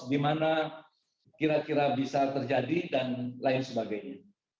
di mana kira kira bisa terjadi dan lain sebagainya